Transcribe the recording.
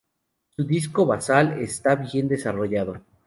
Su disco basal está bien desarrollado.